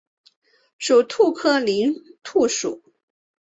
属兔科林兔属。